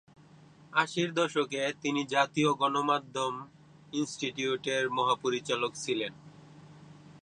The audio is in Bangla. আশির দশকে তিনি জাতীয় গণমাধ্যম ইনস্টিটিউটের মহাপরিচালক ছিলেন।